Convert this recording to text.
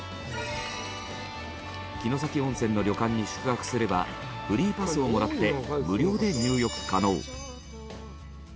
城崎温泉の旅館に宿泊すればフリーパスをもらって無料で入浴可能。